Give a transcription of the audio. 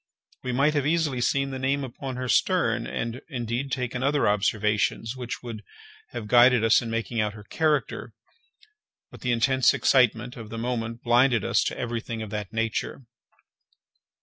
We might have easily seen the name upon her stern, and, indeed, taken other observations, which would have guided us in making out her character; but the intense excitement of the moment blinded us to every thing of that nature.